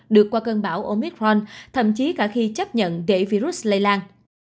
được qua cơn bão omicron thậm chí cả khi chấp nhận đệ virus lây lan